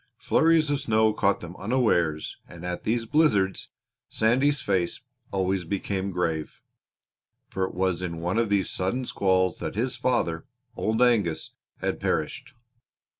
Flurries of snow caught them unawares and at these blizzards Sandy's face always became grave, for it was in one of these sudden squalls that his father, Old Angus, had perished.